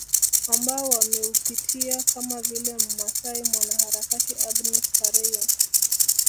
Ambao wameupitia kama vile Mmasai mwanaharakati Agnes Pareiyo